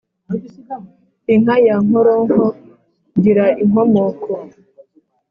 inka ya nkoronko gira inkomoko !